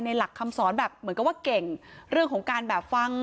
หลักคำสอนแบบเหมือนกับว่าเก่งเรื่องของการแบบฟัง